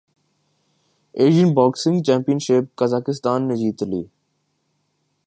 Asian boxing championship Kazakhstan نے جیت لی